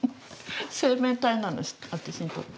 生命体なんです私にとって。